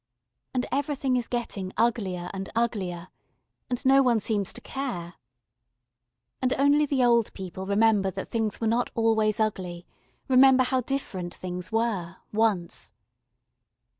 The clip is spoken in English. And everything is getting uglier and uglier. And no one seems to care. And only the old people remember that things were not always ugly, remember how different things were once. [Illustration: A CHINESE TEMPLE.